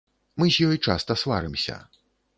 Мы з ёй часта сварымся.